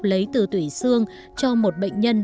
lấy từ tủy xương cho một bệnh nhân